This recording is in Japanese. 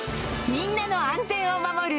みんなの安全を守る